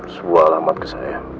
sebuah alamat ke saya